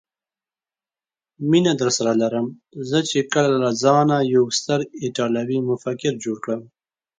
مینه درسره لرم، زه چې کله له ځانه یو ستر ایټالوي مفکر جوړ کړم.